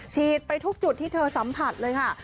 ไปทุกจุดที่เธอสัมผัสเลยค่ะ